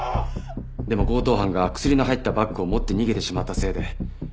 でも強盗犯が薬の入ったバッグを持って逃げてしまったせいで。